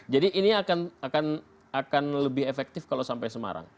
jadi ini akan lebih efektif kalau sampai semarang